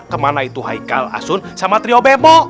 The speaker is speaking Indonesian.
kemana itu haikal asun sama trio bebo